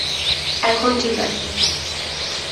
এখন ঠিক আছে।